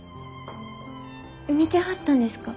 見てはったんですか？